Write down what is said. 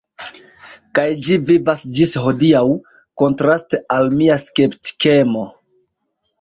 Kaj ĝi vivas ĝis hodiaŭ, kontraste al mia skeptikemo.